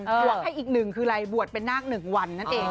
หรอกให้อีก๑คือไหนบวชถูกเป็นนาค๑วันนั้นเองค่ะ